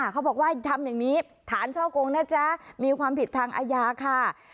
เขาบอกว่าทำอย่างนี้ฐานช่อกงนะจ๊ะมีความผิดทางอาญาค่ะ